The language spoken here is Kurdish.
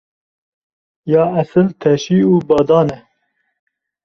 Ya esil teşî û badan e.